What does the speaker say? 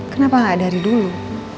kenapa gak dari dulu